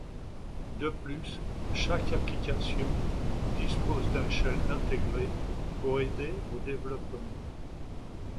De plus, chaque application dispose d'un shell intégré pour aider au développement.